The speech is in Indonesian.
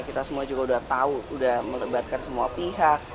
kita semua juga sudah tahu sudah melibatkan semua pihak